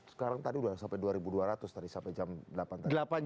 sekarang tadi sudah sampai dua ribu dua ratus tadi sampai jam delapan tadi